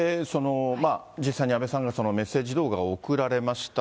実際に安倍さんがメッセージ動画を送られました。